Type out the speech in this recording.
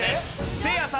せいやさん！